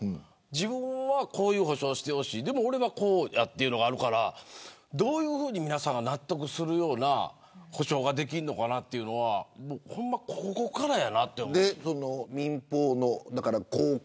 自分はこういう補償してほしいでも俺はこうやというのがあるからどういうふうに皆さんが納得するような補償ができるのかというのは民放の広告。